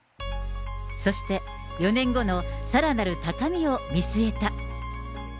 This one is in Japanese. そして、４年後のさらなる高みを見据えた。